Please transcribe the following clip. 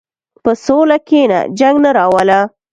په سوله کښېنه، جنګ نه راوله.